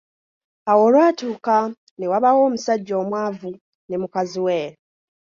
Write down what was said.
Awo olwatuuka, ne wabaawo omusajja omwavu ne mukazi we.